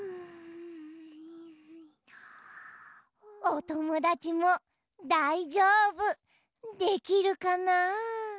おともだちもだいじょうぶできるかな？